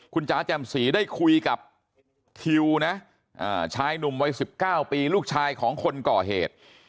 คุณจ๋าแจ่มสีได้คุยกับทิวนะชายหนุ่มวัย๑๙ปีลูกชายของคนก่อเหตุ